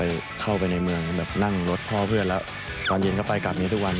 เข้าไปในเมืองแบบนั่งรถพ่อเพื่อนแล้วตอนเย็นก็ไปกลับนี้ทุกวัน